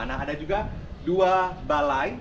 nah ada juga dua balai